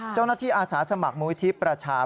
เจ้าหน้าที่อาสาสมัครมุมอิทธิประชา